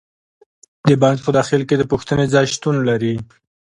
د بانک په داخل کې د پوښتنې ځای شتون لري.